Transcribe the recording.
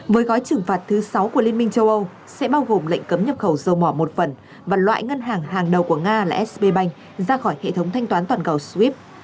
với gói trừng phạt thứ sáu của liên minh châu âu sẽ bao gồm lệnh cấm nhập khẩu dầu mỏ một phần và loại ngân hàng hàng đầu của nga là sb bank ra khỏi hệ thống thanh toán toàn cầu srip